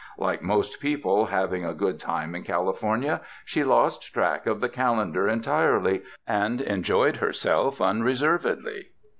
Like most people having a 272 ' CONCERNING THE CLIMATE good time in California she lost track of the calen dar entirely and enjoyed herself unreservedly.